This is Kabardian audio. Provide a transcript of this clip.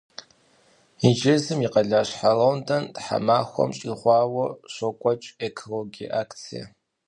Инджылызым и къалащхьэ Лондон тхьэмахуэм щӏигъуауэ щокӏуэкӏ экологие акцие.